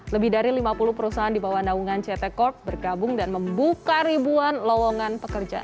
lebih dari lima puluh perusahaan di bawah naungan ct corp bergabung dan membuka ribuan lowongan pekerjaan